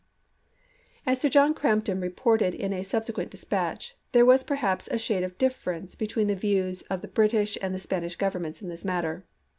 MEXICO 37 As Sir John Crampton reported in a subse chap. ii. quent dispatch, there was perhaps a shade of oct. 9, isei. difference between the views of the British and the Spanish governments in this matter.